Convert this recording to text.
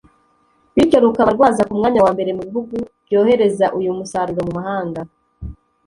bityo rukaba rwaza ku mwanya wa mbere mu bihugu byohereza uyu musaruro mu mahanga